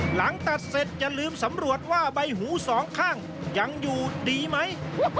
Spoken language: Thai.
หลังตัดเสร็จอย่าลืมสำรวจว่าใบหูสองข้างยังอยู่ดีไหม